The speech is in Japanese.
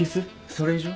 それ以上？